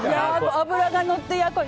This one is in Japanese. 脂がのって、やっこい！